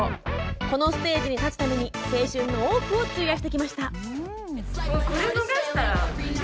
このステージに立つために青春の多くを費やしてきました。